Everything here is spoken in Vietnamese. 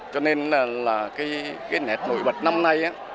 cho nên là cái nét nổi bật năm nay